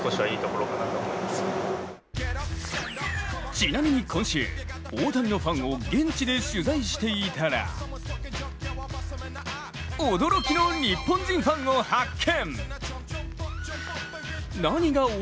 ちなみに今週、大谷のファンを現地で取材していたら驚きの日本人ファンを発見。